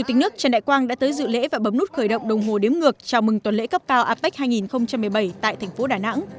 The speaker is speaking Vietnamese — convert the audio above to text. chủ tịch nước trần đại quang đã tới dự lễ và bấm nút khởi động đồng hồ đếm ngược chào mừng tuần lễ cấp cao apec hai nghìn một mươi bảy tại thành phố đà nẵng